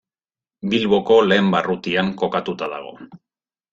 Bilboko lehen barrutian kokatuta dago.